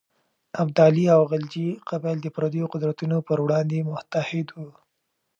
ابدالي او غلجي قبایل د پرديو قدرتونو پر وړاندې متحد وو.